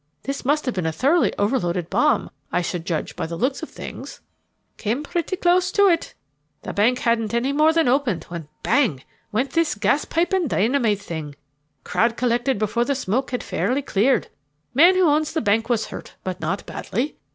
This must have been a thoroughly overloaded bomb, I should judge by the looks of things." "Came pretty close to it. The bank hadn't any more than opened when, bang! went this gas pipe and dynamite thing. Crowd collected before the smoke had fairly cleared. Man who owns the bank was hurt, but not badly.